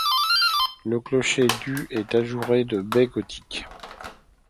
Le clocher du est ajouré de baies gothiques.